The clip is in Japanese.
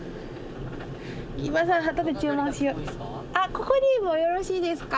ここでもよろしいですか？